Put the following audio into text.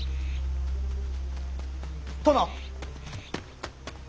殿！